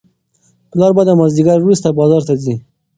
پلار به د مازیګر وروسته بازار ته ځي.